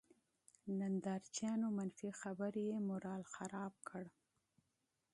نندارچيانو، منفي خبرې یې مورال خراب کړ.